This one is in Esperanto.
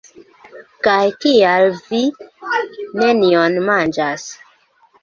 Kaj kial vi nenion manĝas?